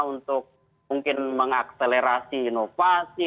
untuk mungkin mengakselerasi inovasi